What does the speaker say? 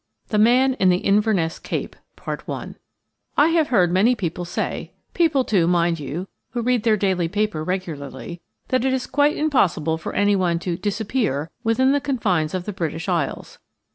IXTHE MAN IN THE INVERNESS CAPE I HAVE heard many people say–people, too, mind you, who read their daily paper regularly–that it is quite impossible for anyone to "disappear" within the confines of the British Isles.